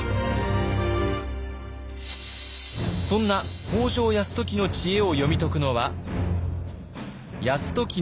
そんな北条泰時の知恵を読み解くのは泰時の祖父